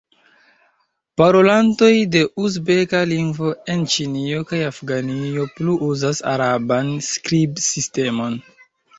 Parolantoj de uzbeka lingvo en Ĉinio kaj Afganio plu uzas araban skribsistemon.